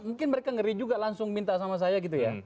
mungkin mereka ngeri juga langsung minta sama saya gitu ya